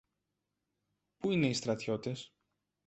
Πού είναι οι στρατιώτες;